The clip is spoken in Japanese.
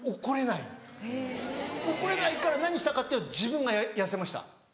怒れないから何したかって自分が痩せました。